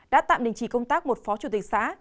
đã tạm đình chỉ công tác một phó chủ tịch xã